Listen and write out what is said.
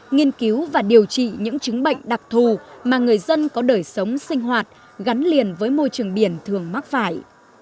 nghiên cứu và điều trị những chứng bệnh đặc thù mà người dân có đời sống sinh hoạt gắn liền với môi trường biển thường mắc phải